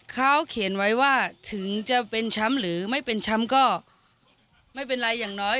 เขาเขียนไว้ว่าถึงจะเป็นแชมป์หรือไม่เป็นแชมป์ก็ไม่เป็นไรอย่างน้อย